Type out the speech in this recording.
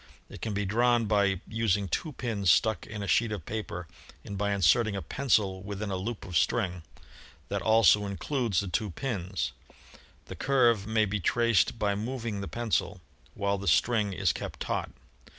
It can be drawn by Fig. ii — Drawing an Ellipse. using two pins stuck in a sheet of paper and by inserting a pencil within a loop of string that also includes the two pins. The curve may be traced by moving the pencil, while the string is kept taut.